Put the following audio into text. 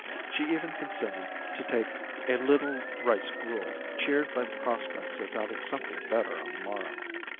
She even consented to take a little rice gruel, cheered by the prospects of having something better on the morrow.